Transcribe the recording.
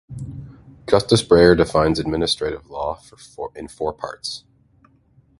Justice Breyer defines administrative law in four parts.